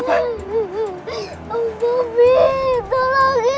aku akan jalan